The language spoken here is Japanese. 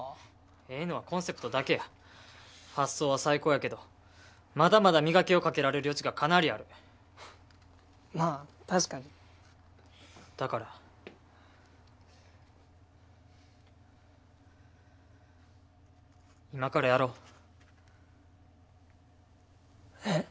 ええのはコンセプトだけや発想は最高やけどまだまだ磨きをかけられる余地がかなりあるまぁ確かにだから今からやろうえっ？